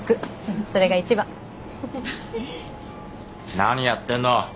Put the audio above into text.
何やってんの？